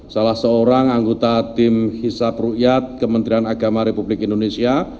salah seorang anggota tim hisap rukyat kementerian agama republik indonesia